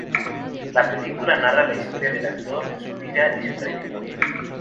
La película narra la historia del actor, su vida y su trayectoria.